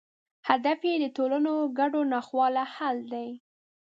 هدف یې د ټولنو ګډو ناخوالو حل دی.